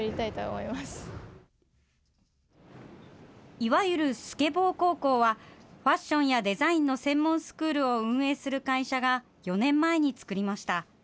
いわゆるスケボー高校は、ファッションやデザインの専門スクールを運営する会社が、４年前に作りました。